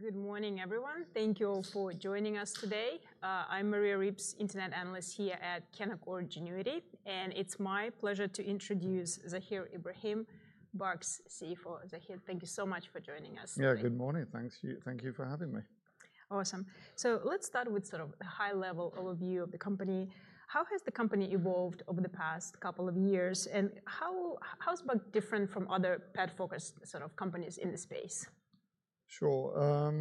Good morning, everyone. Thank you all for joining us today. I'm Maria Ripps, Internet Analyst here at Canaccord Genuity, and it's my pleasure to introduce Zahir Ibrahim, BARK's CFO. Zahir, thank you so much for joining us. Yeah, good morning. Thank you for having me. Awesome. Let's start with sort of a high-level overview of the company. How has the company evolved over the past couple of years, and how is BARK different from other pet-focused sort of companies in the space? Sure.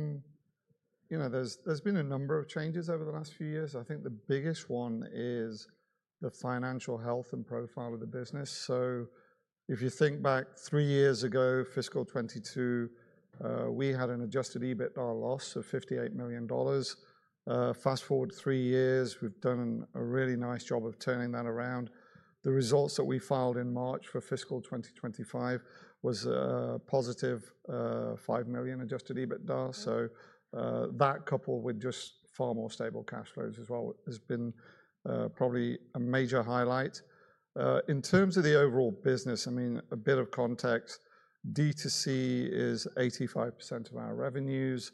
You know, there's been a number of changes over the last few years. I think the biggest one is the financial health and profile of the business. If youuthink back three years ago, fiscal 2022, we had an adjusted EBITDA loss of $58 million. Fast forward three years, we've done a really nice job of turning that around. The results that we filed in March for fiscal 2025 were a positive $5 million adjusted EBITDA. That, coupled with just far more stable cash flows as well, has been probably a major highlight. In terms of the overall business, a bit of context. Direct-to-consumer (DTC) is 85% of our revenues.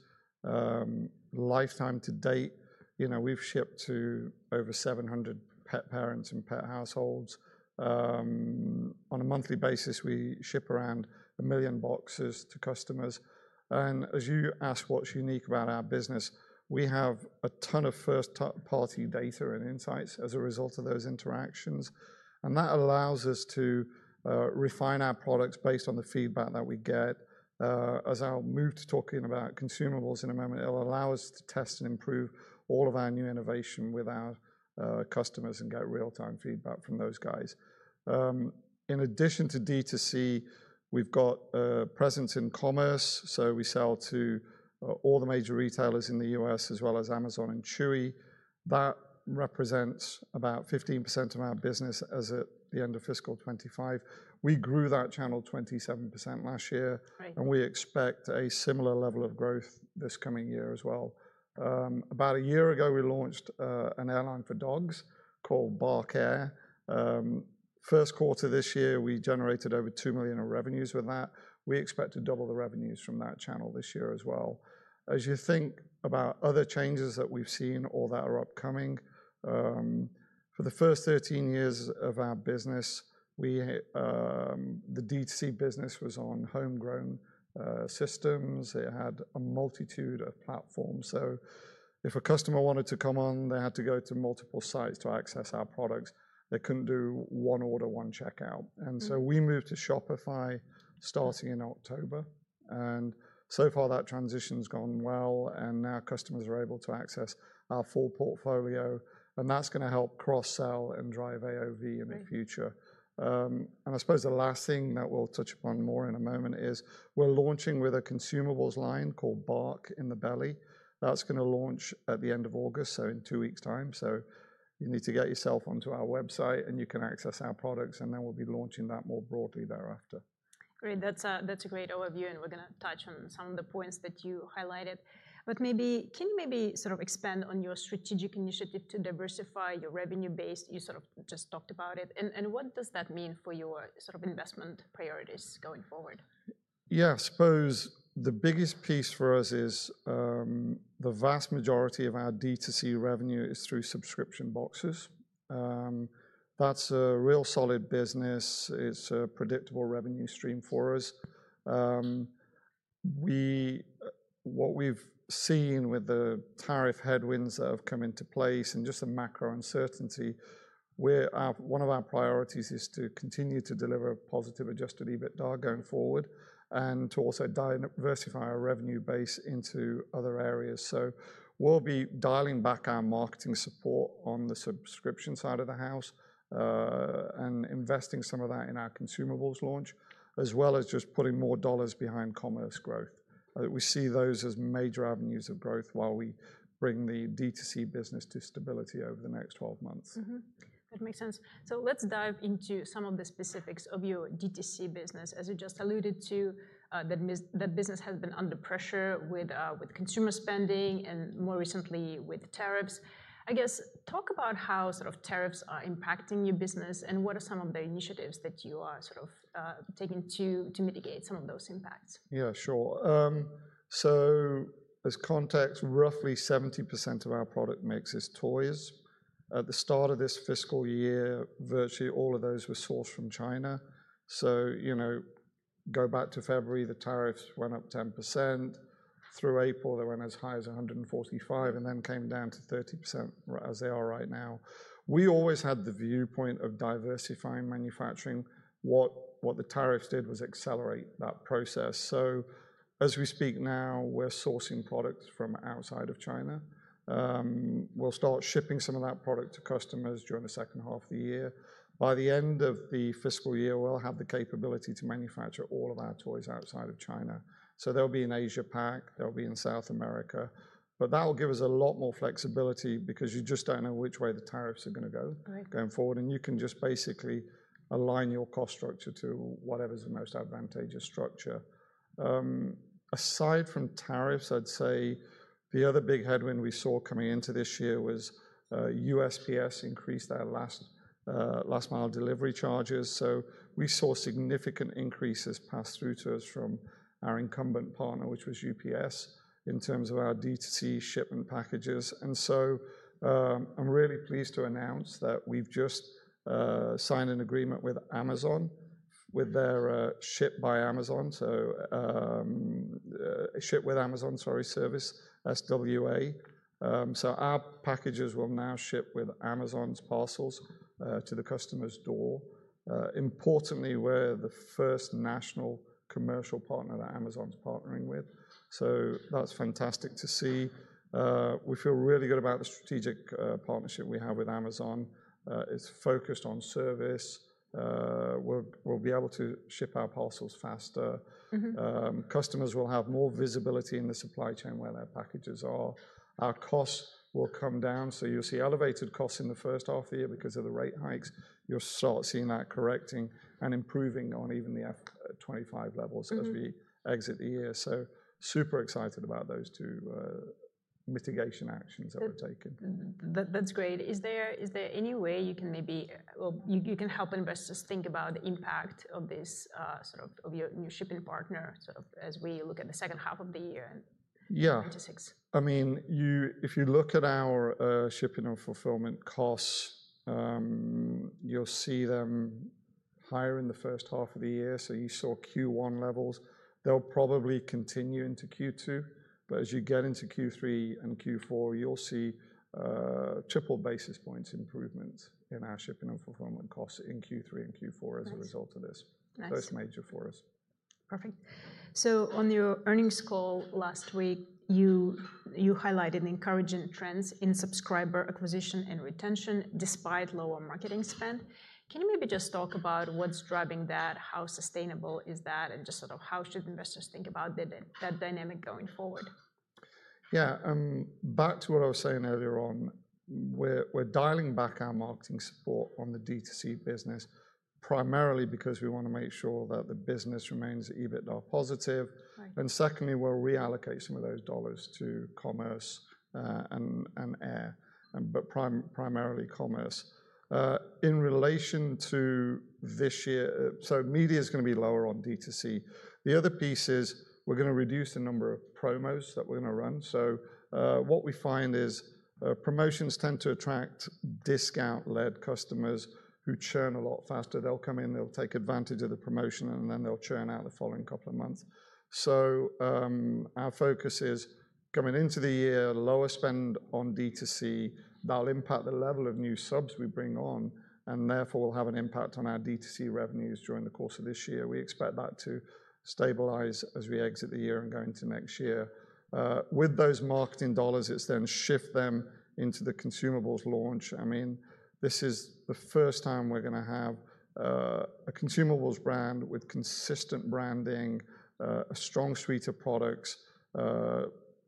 Lifetime to date, we've shipped to over 700 pet parents and pet households. On a monthly basis, we ship around a million boxes to customers. As you asked what's unique about our business, we have a ton of first-party data and insights as a result of those interactions. That allows us to refine our products based on the feedback that we get. As I'll move to talking about consumables in a moment, it'll allow us to test and improve all of our new innovation with our customers and get real-time feedback from those guys. In addition to DTC, we've got a presence in commerce channels. We sell to all the major retailers in the U.S., as well as Amazon and Chewy. That represents about 15% of our business as at the end of fiscal 2025. We grew that channel 27% last year, and we expect a similar level of growth this coming year as well. About a year ago, we launched an airline for dogs called BARK Air. First quarter this year, we generated over $2 million in revenues with that. We expect to double the revenues from that channel this year as well. As you think about other changes that we've seen or that are upcoming, for the first 13 years of our business, the DTC business was on homegrown systems. It had a multitude of platforms. If a customer wanted to come on, they had to go to multiple sites to access our products. They couldn't do one order, one checkout. We moved to Shopify starting in October. So far, that transition's gone well, and now customers are able to access our full portfolio. That's going to help cross-sell and drive AOV in the future. I suppose the last thing that we'll touch upon more in a moment is we're launching with a consumables line called BARK in the Belly. That's going to launch at the end of August, so in two weeks' time. You need to get yourself onto our website, and you can access our products. We'll be launching that more broadly thereafter. I mean, that's a great overview, and we're going to touch on some of the points that you highlighted. Maybe, can you sort of expand on your strategic initiative to diversify your revenue base? You sort of just talked about it. What does that mean for your sort of investment priorities going forward? I suppose the biggest piece for us is the vast majority of our DTC revenue is through subscription boxes. That's a real solid business. It's a predictable revenue stream for us. What we've seen with the tariff headwinds that have come into place and just the macro uncertainty, one of our priorities is to continue to deliver positive adjusted EBITDA going forward and to also diversify our revenue base into other areas. We'll be dialing back our marketing support on the subscription side of the house and investing some of that in our consumables launch, as well as just putting more dollars behind commerce growth. We see those as major avenues of growth while we bring the DTC business to stability over the next 12 months. That makes sense. Let's dive into some of the specifics of your direct-to-consumer business. As you just alluded to, that business has been under pressure with consumer spending and more recently with tariffs. I guess, talk about how tariffs are impacting your business and what are some of the initiatives that you are taking to mitigate some of those impacts. Yeah, sure. As context, roughly 70% of our product mix is toys. At the start of this fiscal year, virtually all of those were sourced from China. Go back to February, the tariffs went up 10%. Through April, they went as high as 145% and then came down to 30% as they are right now. We always had the viewpoint of diversifying manufacturing. What the tariffs did was accelerate that process. As we speak now, we're sourcing products from outside of China. We'll start shipping some of that product to customers during the second half of the year. By the end of the fiscal year, we'll have the capability to manufacture all of our toys outside of China. They'll be in Asia Pac. They'll be in South America. That will give us a lot more flexibility because you just don't know which way the tariffs are going to go going forward. You can just basically align your cost structure to whatever's the most advantageous structure. Aside from tariffs, I'd say the other big headwind we saw coming into this year was USPS increased their last-mile delivery charges. We saw significant increases pass through to us from our incumbent partner, which was UPS, in terms of our direct-to-consumer shipment packages. I'm really pleased to announce that we've just signed an agreement with Amazon with their Ship With Amazon, or SWA, service. Our packages will now ship with Amazon's parcels to the customer's door. Importantly, we're the first national commercial partner that Amazon's partnering with. That's fantastic to see. We feel really good about the strategic partnership we have with Amazon. It's focused on service. We'll be able to ship our parcels faster. Customers will have more visibility in the supply chain where their packages are. Our costs will come down. You'll see elevated costs in the first half of the year because of the rate hikes. You'll start seeing that correcting and improving on even the F 2025 levels as we exit the year. Super excited about those two mitigation actions that we're taking. That's great. Is there any way you can maybe help investors think about the impact of this sort of your new shipping partner as we look at the second half of the year? Yeah. Into six. If you look at our shipping and fulfillment costs, you'll see them higher in the first half of the year. You saw Q1 levels. They'll probably continue into Q2. As you get into Q3 and Q4, you'll see triple basis points improvements in our shipping and fulfillment costs in Q3 and Q4 as a result of this. Nice. That's major for us. Perfect. On your earnings call last week, you highlighted encouraging trends in subscriber acquisition and retention despite lower marketing spend. Can you maybe just talk about what's driving that, how sustainable is that, and just sort of how should investors think about that dynamic going forward? Yeah, back to what I was saying earlier on, we're dialing back our marketing support on the DTC business primarily because we want to make sure that the business remains EBITDA positive. Secondly, we're reallocating those dollars to commerce and air, but primarily commerce. In relation to this year, media is going to be lower on DTC. The other piece is we're going to reduce the number of promos that we're going to run. What we find is promotions tend to attract discount-led customers who churn a lot faster. They'll come in, they'll take advantage of the promotion, and then they'll churn out the following couple of months. Our focus is coming into the year, lower spend on DTC. That'll impact the level of new subs we bring on, and therefore we'll have an impact on our DTC revenues during the course of this year. We expect that to stabilize as we exit the year and go into next year. With those marketing dollars, it's then shift them into the consumables launch. I mean, this is the first time we're going to have a consumables brand with consistent branding, a strong suite of products,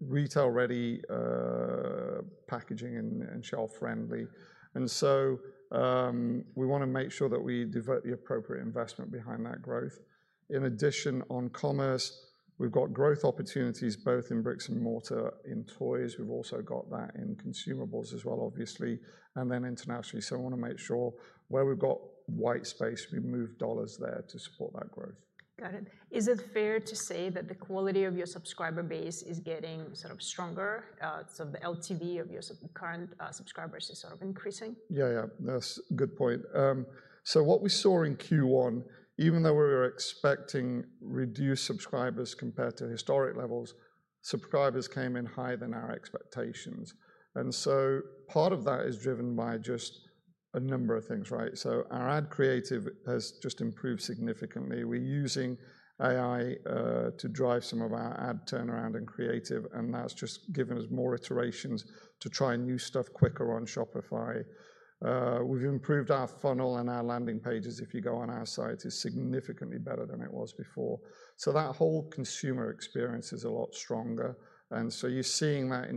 retail-ready packaging, and shelf-friendly. We want to make sure that we divert the appropriate investment behind that growth. In addition, on commerce, we've got growth opportunities both in brick-and-mortar in toys. We've also got that in consumables as well, obviously, and then internationally. I want to make sure where we've got white space, we move dollars there to support that growth. Got it. Is it fair to say that the quality of your subscriber base is getting sort of stronger? The LTV of your current subscribers is sort of increasing? Yeah, that's a good point. What we saw in Q1, even though we were expecting reduced subscribers compared to historic levels, subscribers came in higher than our expectations. Part of that is driven by just a number of things, right? Our ad creative has just improved significantly. We're using AI to drive some of our ad turnaround and creative, and that's just given us more iterations to try new stuff quicker on Shopify. We've improved our funnel, and our landing pages, if you go on our site, are significantly better than it was before. That whole consumer experience is a lot stronger. You're seeing that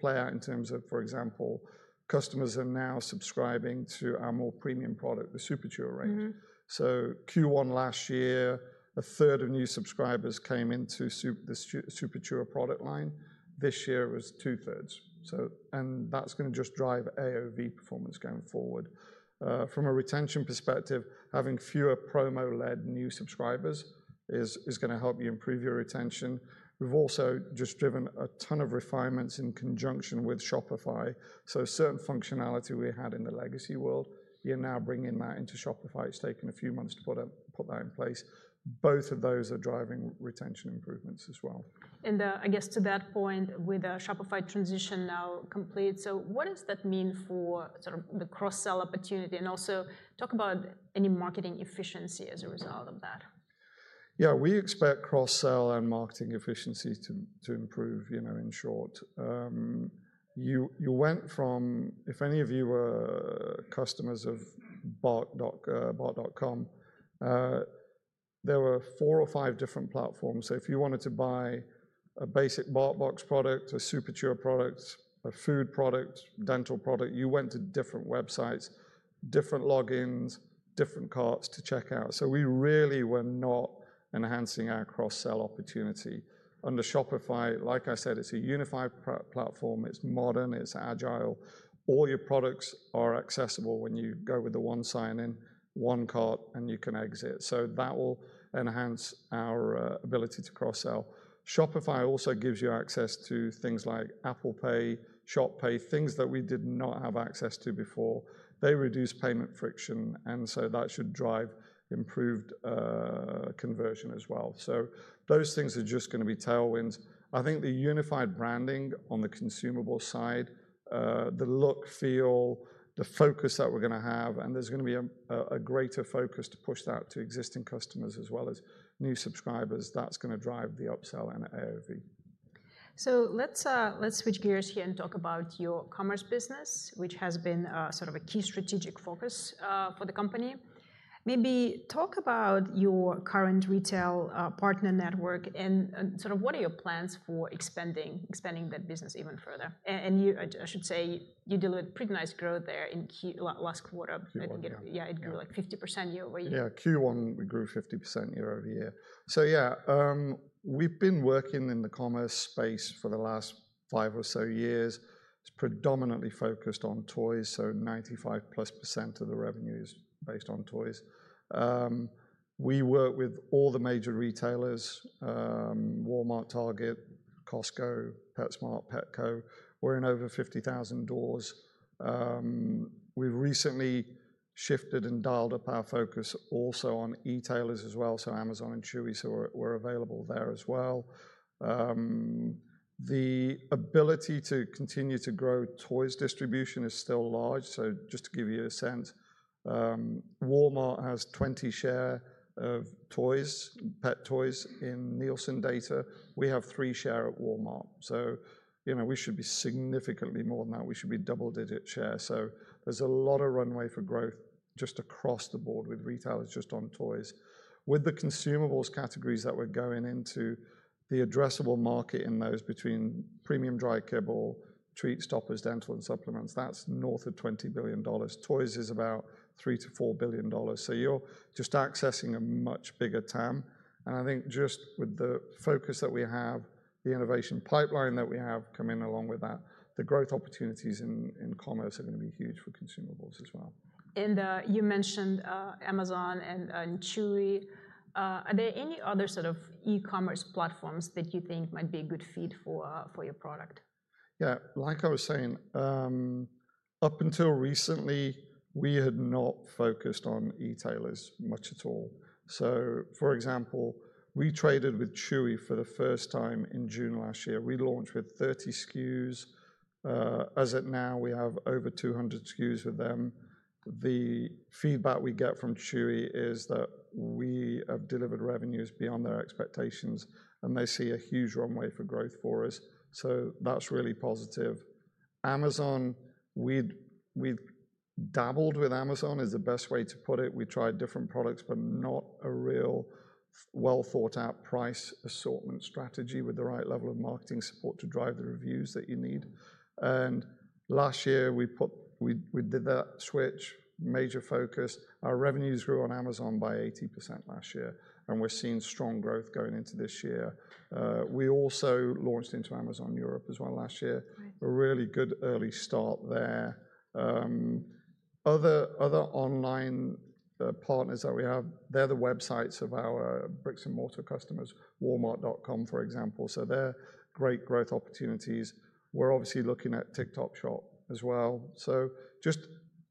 play out in terms of, for example, customers are now subscribing to our more premium product, the Super Chewer. In Q1 last year, a third of new subscribers came into the Super Chewer product line. This year it was two-thirds. That's going to drive AOV performance going forward. From a retention perspective, having fewer promo-led new subscribers is going to help you improve your retention. We've also just driven a ton of refinements in conjunction with Shopify. Certain functionality we had in the legacy world, you're now bringing that into Shopify. It's taken a few months to put that in place. Both of those are driving retention improvements as well. With the Shopify transition now complete, what does that mean for the cross-sell opportunity? Also, talk about any marketing efficiency as a result of that. Yeah, we expect cross-sell and marketing efficiencies to improve, you know, in short. You went from, if any of you were customers of BARK.com, there were four or five different platforms. If you wanted to buy a basic BarkBox product, a Superchur product, a food product, dental product, you went to different websites, different logins, different carts to check out. We really were not enhancing our cross-sell opportunity. Under Shopify, like I said, it's a unified platform. It's modern. It's agile. All your products are accessible when you go with the one sign-in, one cart, and you can exit. That will enhance our ability to cross-sell. Shopify also gives you access to things like Apple Pay, ShopPay, things that we did not have access to before. They reduce payment friction, and that should drive improved conversion as well. Those things are just going to be tailwinds. I think the unified branding on the consumable side, the look, feel, the focus that we're going to have, and there's going to be a greater focus to push that to existing customers as well as new subscribers. That's going to drive the upsell and AOV. Let's switch gears here and talk about your commerce business, which has been sort of a key strategic focus for the company. Maybe talk about your current retail partner network and sort of what are your plans for expanding that business even further. I should say you delivered pretty nice growth there in last quarter. Yeah. Yeah, it grew like 50% year-over-year. Q1 we grew 50% year-over-year. We've been working in the commerce space for the last five or so years. It's predominantly focused on toys. 95% plus of the revenue is based on toys. We work with all the major retailers: Walmart, Target, Costco, PetSmart, Petco. We're in over $50,000 doors. We've recently shifted and dialed up our focus also on e-tailers as well. Amazon and Chewy, we're available there as well. The ability to continue to grow toys distribution is still large. Just to give you a sense, Walmart has 20% share of toys, pet toys in Nielsen data. We have 3% share at Walmart. We should be significantly more than that. We should be double-digit shares. There's a lot of runway for growth just across the board with retailers just on toys. With the consumables categories that we're going into, the addressable market in those between premium dry kibble, treats, toppers, dental, and supplements, that's north of $20 billion. Toys is about $3bilion-$4 billion. You're just accessing a much bigger TAM. I think just with the focus that we have, the innovation pipeline that we have coming along with that, the growth opportunities in commerce are going to be huge for consumables as well. You mentioned Amazon and Chewy. Are there any other sort of e-commerce platforms that you think might be a good fit for your product? Yeah, like I was saying, up until recently, we had not focused on e-tailers much at all. For example, we traded with Chewy for the first time in June last year. We launched with 30 SKUs. As of now, we have over 200 SKUs with them. The feedback we get from Chewy is that we have delivered revenues beyond their expectations, and they see a huge runway for growth for us. That's really positive. Amazon, we dabbled with Amazon is the best way to put it. We tried different products but not a real well-thought-out price assortment strategy with the right level of marketing support to drive the reviews that you need. Last year, we did that switch, major focus. Our revenues grew on Amazon by 80% last year, and we're seeing strong growth going into this year. We also launched into Amazon Europe as well last year. A really good early start there. Other online partners that we have, they're the websites of our brick-and-mortar customers, walmart.com, for example. They're great growth opportunities. We're obviously looking at TikTok Shop as well. Just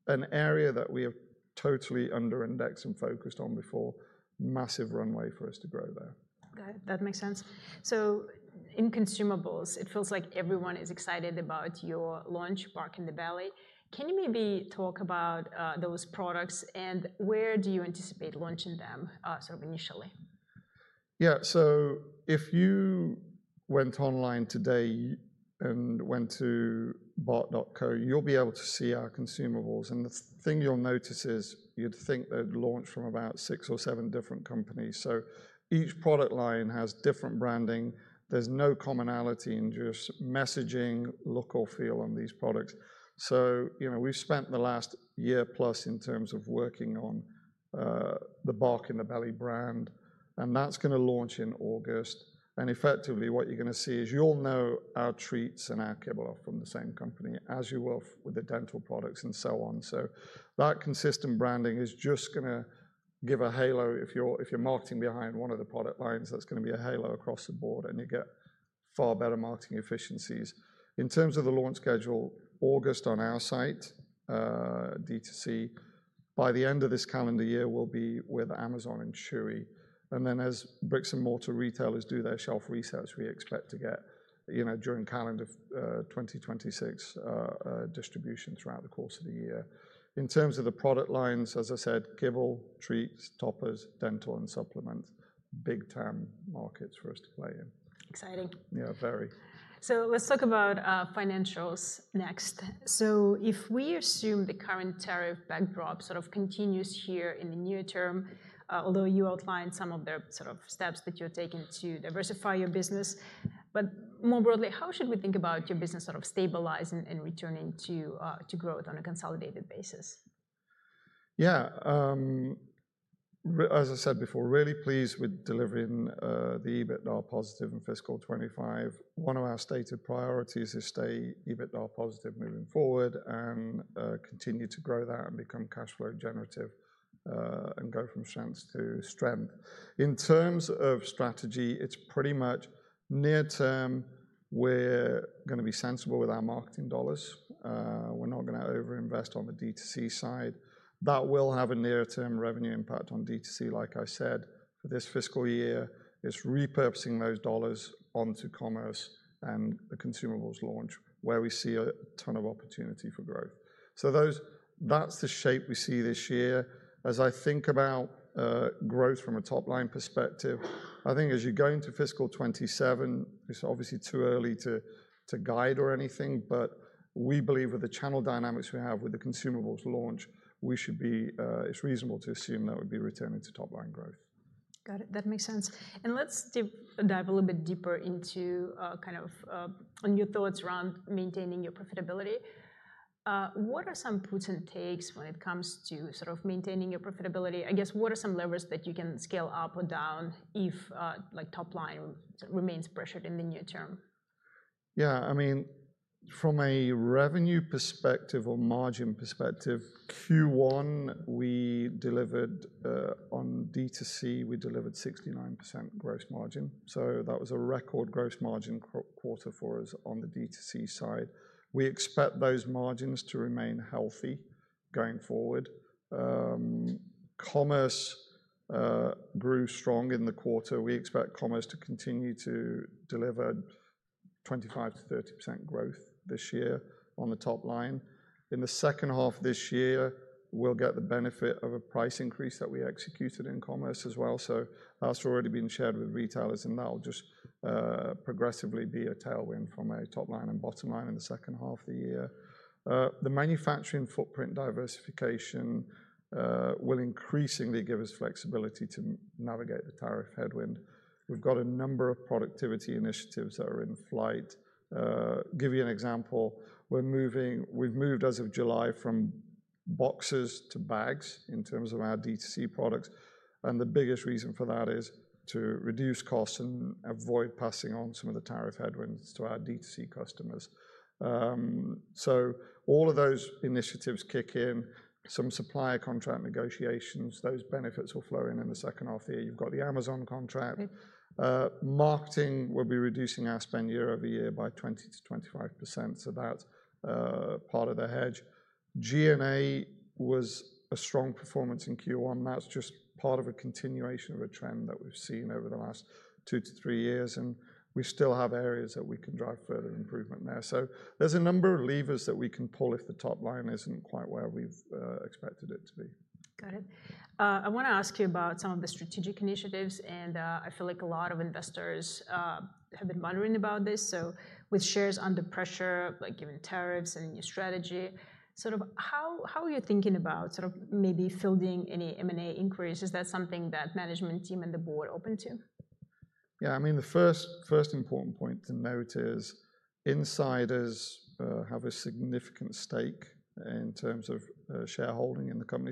an area that we have totally under-indexed and focused on before, massive runway for us to grow there. Got it. That makes sense. In consumables, it feels like everyone is excited about your launch, BARK in the Belly. Can you maybe talk about those products and where you anticipate launching them initially? Yeah, if you went online today and went to bark.co, you'll be able to see our consumables. The thing you'll notice is you'd think they'd launch from about six or seven different companies. Each product line has different branding. There's no commonality in messaging, look, or feel on these products. We've spent the last year plus working on the BARK in the Belly brand, and that's going to launch in August. Effectively, what you're going to see is you'll know our treats and our kibble are from the same company as you will with the dental products and so on. That consistent branding is just going to give a halo if you're marketing behind one of the product lines. That's going to be a halo across the board, and you get far better marketing efficiencies. In terms of the launch schedule, August on our site, DTC, by the end of this calendar year, we'll be with Amazon and Chewy. As brick-and-mortar retailers do their shelf resells, we expect to get, during calendar 2026, distribution throughout the course of the year. In terms of the product lines, as I said, kibble, treats, toppers, dental, and supplements, big TAM markets for us to play in. Exciting. Yeah, very. Let's talk about financials next. If we assume the current tariff backdrop sort of continues here in the near term, although you outlined some of the sort of steps that you're taking to diversify your business, more broadly, how should we think about your business sort of stabilizing and returning to growth on a consolidated basis? Yeah, as I said before, really pleased with delivering the EBITDA positive in fiscal 2025. One of our stated priorities is to stay EBITDA positive moving forward and continue to grow that and become cash flow generative and go from strength to strength. In terms of strategy, it's pretty much near-term, we're going to be sensible with our marketing dollars. We're not going to overinvest on the DTC side. That will have a near-term revenue impact on DTC, like I said, for this fiscal year. It's repurposing those dollars onto commerce and the consumables launch where we see a ton of opportunity for growth. That's the shape we see this year. As I think about growth from a top-line perspective, I think as you go into fiscal 2027, it's obviously too early to guide or anything, but we believe with the channel dynamics we have with the consumables launch, we should be, it's reasonable to assume that we'd be returning to top-line growth. Got it. That makes sense. Let's dive a little bit deeper into your thoughts around maintaining your profitability. What are some puts and takes when it comes to maintaining your profitability? I guess, what are some levers that you can scale up or down if top-line remains pressured in the near term? Yeah, I mean, from a revenue perspective or margin perspective, Q1, we delivered on DTC, we delivered 69% gross margin. That was a record gross margin quarter for us on the DTC side. We expect those margins to remain healthy going forward. Commerce grew strong in the quarter. We expect commerce to continue to deliver 25%-30% growth this year on the top line. In the second half of this year, we'll get the benefit of a price increase that we executed in commerce as well. That's already been shared with retailers, and that will just progressively be a tailwind from a top line and bottom line in the second half of the year. The manufacturing footprint diversification will increasingly give us flexibility to navigate the tariff headwind. We've got a number of productivity initiatives that are in flight. For example, we've moved as of July from boxes to bags in terms of our DTC products. The biggest reason for that is to reduce costs and avoid passing on some of the tariff headwinds to our DTC customers. All of those initiatives kick in. Some supplier contract negotiations, those benefits will flow in in the second half of the year. You've got the Amazon contract. Marketing will be reducing our spend year-over year by 20%-25%. That's part of the hedge. G&A was a strong performance in Q1. That's just part of a continuation of a trend that we've seen over the last two to three years. We still have areas that we can drive further improvement there. There's a number of levers that we can pull if the top line isn't quite where we've expected it to be. Got it. I want to ask you about some of the strategic initiatives. I feel like a lot of investors have been wondering about this. With shares under pressure, given tariffs and a new strategy, how are you thinking about maybe fielding any M&A inquiries? Is that something that the management team and the board are open to? Yeah, I mean, the first important point to note is insiders have a significant stake in terms of shareholding in the company.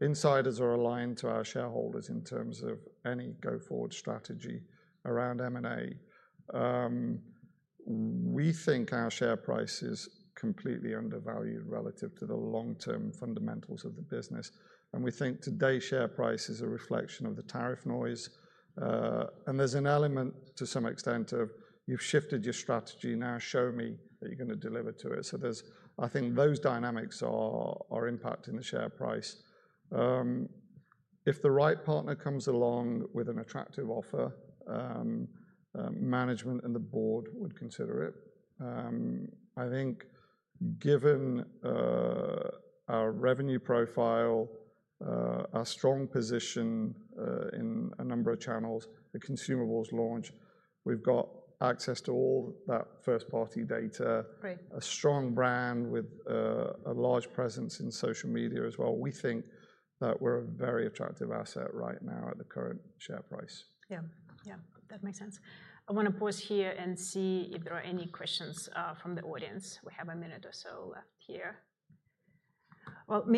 Insiders are aligned to our shareholders in terms of any go-forward strategy around M&A. We think our share price is completely undervalued relative to the long-term fundamentals of the business. We think today's share price is a reflection of the tariff noise. There's an element to some extent of you've shifted your strategy. Now show me that you're going to deliver to it. I think those dynamics are impacting the share price. If the right partner comes along with an attractive offer, management and the board would consider it. Given our revenue profile, our strong position in a number of channels, the consumables launch, we've got access to all that first-party data, a strong brand with a large presence in social media as well. We think that we're a very attractive asset right now at the current share price. Yeah, yeah, that makes sense. I want to pause here and see if there are any questions from the audience. We have a minute or so left.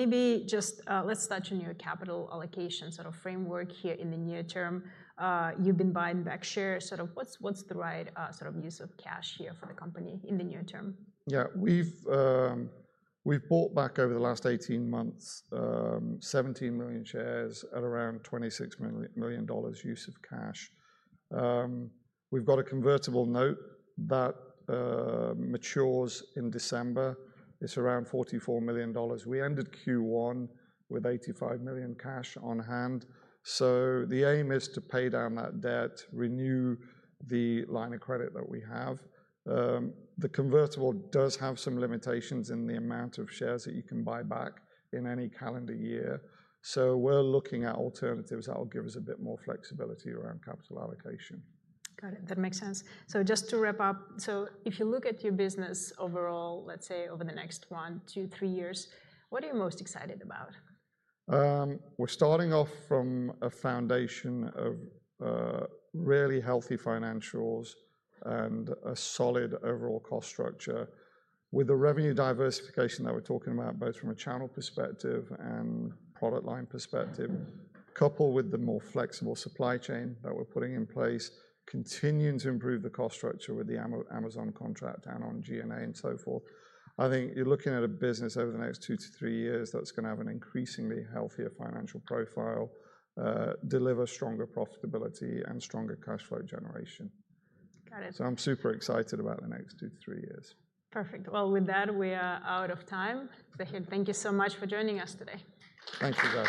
Maybe just let's touch on your capital allocation sort of framework here in the near term. You've been buying back shares. Sort of what's the right sort of use of cash here for the company in the near term? Yeah, we've bought back over the last 18 months 17 million shares at around $26 million use of cash. We've got a convertible note that matures in December. It's around $44 million. We ended Q1 with $85 million cash on hand. The aim is to pay down that debt, renew the line of credit that we have. The convertible does have some limitations in the amount of shares that you can buy back in any calendar year. We're looking at alternatives that will give us a bit more flexibility around capital allocation. Got it. That makes sense. Just to wrap up, if you look at your business overall, let's say over the next one, two, three years, what are you most excited about? We're starting off from a foundation of really healthy financials and a solid overall cost structure. With the revenue diversification that we're talking about, both from a channel perspective and product line perspective, coupled with the more flexible supply chain that we're putting in place, continuing to improve the cost structure with the Amazon contract and on G&A and so forth, I think you're looking at a business over the next two to three years that's going to have an increasingly healthier financial profile, deliver stronger profitability, and stronger cash flow generation. Got it. I'm super excited about the next two to three years. Perfect. With that, we are out of time. Zahir, thank you so much for joining us today. Thank you, Zahir.